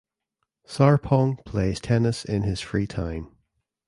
Sarpong plays tennis in his free time.